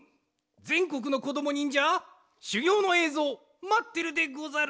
ぜんこくのこどもにんじゃしゅぎょうのえいぞうまってるでござる！